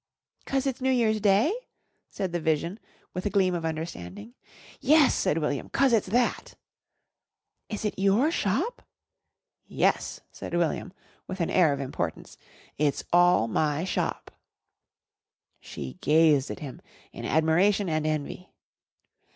"'Cause it's New Year's Day?" said the vision, with a gleam of understanding. "Yes," said William, "'cause it's that." "Is it your shop?" "Yes," said William with an air of importance. "It's all my shop." She gazed at him in admiration and envy.